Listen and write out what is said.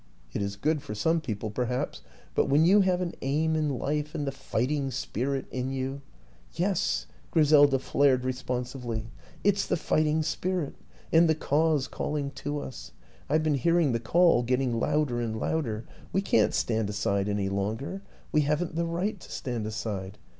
It is good for some people, perhaps; but when you have an aim in life and the fighting spirit in you " 1 Yes," Griselda flared responsively, " it's the fighting spirit and the Cause calling to us. I've been hearing the call getting louder and louder; we can't stand aside any longer, we haven't the right to stand aside.